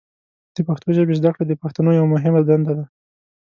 د پښتو ژبې زده کړه د پښتنو یوه مهمه دنده ده.